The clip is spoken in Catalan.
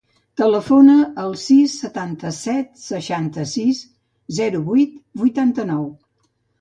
Telefona al sis, setanta-set, seixanta-sis, zero, vuit, vuitanta-nou.